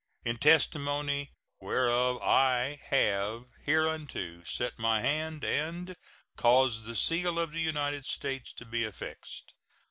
In testimony whereof I have hereunto set my hand and caused the seal of the United States to be affixed.